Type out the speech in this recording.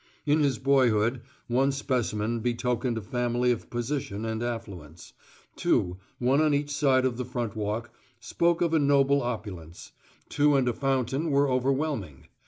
In his boyhood, one specimen betokened a family of position and affluence; two, one on each side of the front walk, spoke of a noble opulence; two and a fountain were overwhelming.